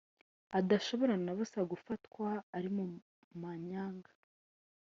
adashobora na busa gufatwa ari mu manyanga